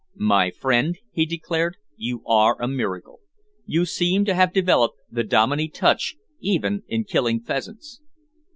"My friend," he declared, "You are a miracle. You seem to have developed the Dominey touch even in killing pheasants."